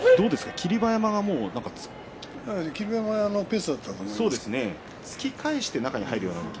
霧馬山のペースだったと思います。